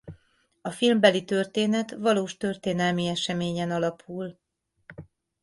A filmbeli történet valós történelmi eseményen alapul.